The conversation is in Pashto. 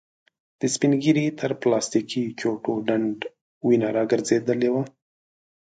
د سپين ږيري تر پلاستيکې چوټو ډنډ وينه را ګرځېدلې وه.